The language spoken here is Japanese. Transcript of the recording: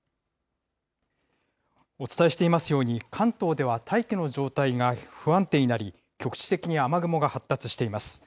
お伝えしていますように、関東では大気の状態が不安定になり、局地的に雨雲が発達しています。